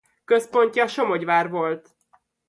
Központja Somogyvár volt.